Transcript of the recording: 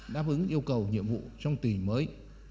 đáp ứng yêu cầu nhiệm vụ trong tỷ mới